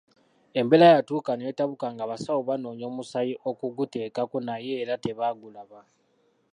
Embeera yatuuka n'etabuka ng'abasawo banoonya omusaayi okuguteekako naye era tebagulaba.